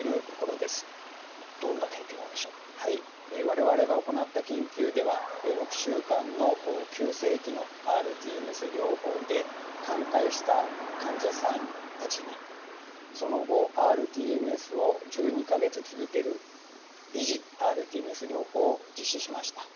我々が行った研究では６週間の急性期のｒＴＭＳ療法で寛解した患者さんたちにその後ｒＴＭＳを１２か月続ける維持ｒＴＭＳ療法を実施しました。